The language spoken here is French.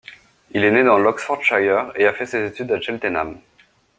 Il est né dans l'Oxfordshire et a fait ses études à Cheltenham.